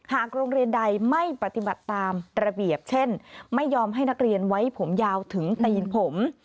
โรงเรียนใดไม่ปฏิบัติตามระเบียบเช่นไม่ยอมให้นักเรียนไว้ผมยาวถึงตีนผม